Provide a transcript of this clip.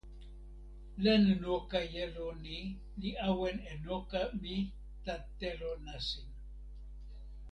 len noka jelo ni li awen e noka mi tan telo nasin.